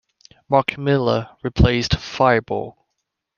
Mark Miller replaced Firebaugh.